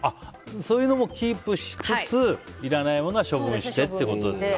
そういうのもキープしつついらないものは処分してってことですか。